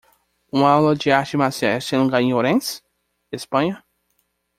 uma aula de artes marciais tem lugar em Ourense? Espanha.